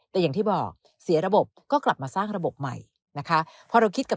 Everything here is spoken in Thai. แต่อย่างที่บอกเสียระบบก็กลับมาสร้างระบบใหม่นะคะ